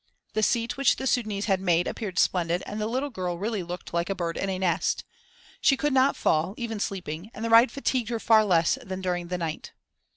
The seat which the Sudânese had made appeared splendid and the little girl really looked like a bird in a nest. She could not fall, even sleeping, and the ride fatigued her far less than during the night.